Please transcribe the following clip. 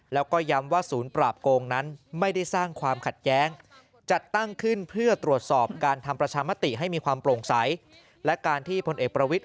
เกิดการทำประชามติให้มีความโปร่งใสและการที่พลเอกประวิท